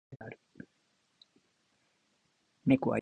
猫はよく眠る。